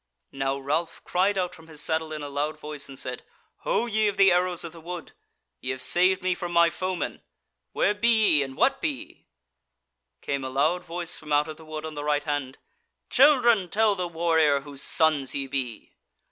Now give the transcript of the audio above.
Now Ralph cried out from his saddle in a loud voice, and said: "Ho ye of the arrows of the wood! ye have saved me from my foemen; where be ye, and what be ye?" Came a loud voice from out of the wood on the right hand: "Children, tell the warrior whose sons ye be!"